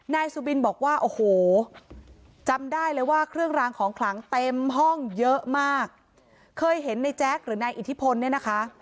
นายสุบินบอกว่าโอ้โหจำได้เลยว่าเครื่องรางของขลังเต็มห้องเยอะมากเคยเห็นในแจ๊คหรือนายอิทธิพลเนี่ยนะคะ